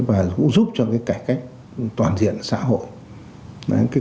và cũng giúp cho cái cải cách toàn diện xã hội